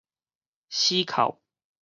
死釦